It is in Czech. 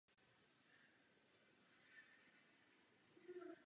Na klinice působila ve funkci zástupkyně přednosty kliniky a vedla dětskou část.